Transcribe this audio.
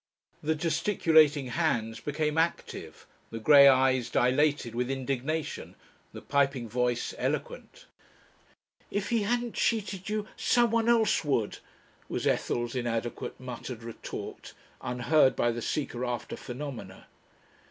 The gesticulating hands became active, the grey eyes dilated with indignation, the piping voice eloquent. "If he hadn't cheated you, someone else would," was Ethel's inadequate muttered retort, unheard by the seeker after phenomena.